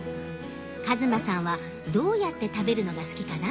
和真さんはどうやって食べるのが好きかな？